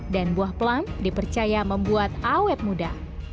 dan buah pelang dipercaya membuat awet muda